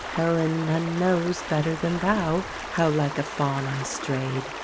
Helen, none knows Better than thou how like a Faun I strayed.